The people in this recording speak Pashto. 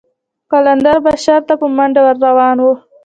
قلندر به شر ته په منډه ور روان و.